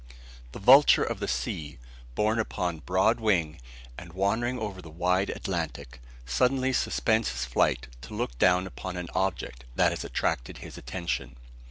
The "vulture of the sea," borne upon broad wing, and wandering over the wide Atlantic, suddenly suspends his flight to look down upon an object that has attracted his attention.